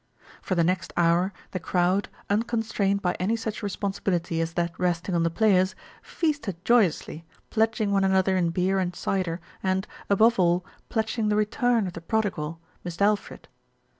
For the next hour the crowd, unconstrained by any such responsibility as that resting on the players, feasted joyously, pledging one another in beer and cider and, above all, pledging the return of the prodi gal, Mist' Alfred.